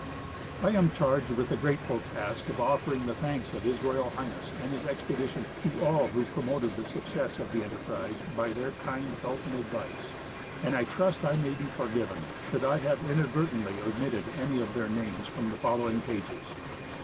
I am charged with the grateful task of offerincj the thanks of His Royal Highness and his expedition to all who promoted the suc cess of the enterprise by their kind help and advice ; and I trust I may be forgiven should I have inadvertently omitted any of their names from the following pages.